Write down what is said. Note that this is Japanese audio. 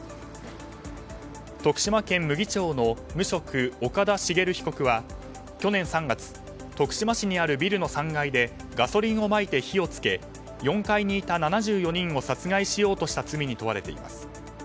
徳島県牟岐町の無職岡田茂被告は去年３月徳島市にあるビルの３階でガソリンをまいて火を付け４階にいた７４人を殺害しようとした罪に問われています。